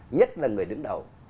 nhất là người đứng đầu